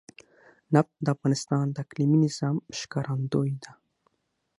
نفت د افغانستان د اقلیمي نظام ښکارندوی ده.